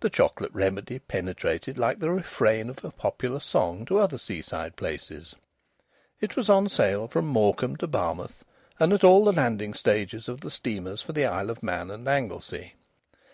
The Chocolate Remedy penetrated like the refrain of a popular song to other seaside places. It was on sale from Morecambe to Barmouth, and at all the landing stages of the steamers for the Isle of Man and Anglesey.